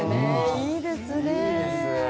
いいですね。